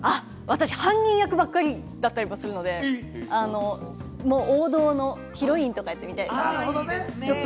私、犯人役ばかりだったりもするので、王道のヒロインとかやってみたいです。